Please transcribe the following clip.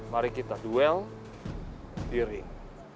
mari kita duel di ring